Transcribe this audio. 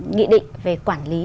nghị định về quản lý